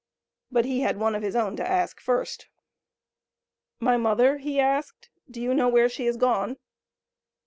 But he had one of his own to ask first. "My mother?" he asked. "Do you know where she has gone?"